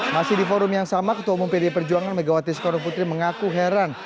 masih di forum yang sama ketua umum pdi perjuangan megawati soekarno putri mengaku heran